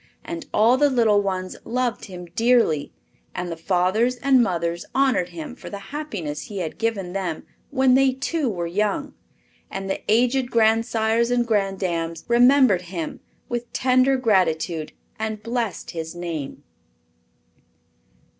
And all the little ones loved him dearly; and the fathers and mothers honored him for the happiness he had given them when they too were young; and the aged grandsires and granddames remembered him with tender gratitude and blessed his name.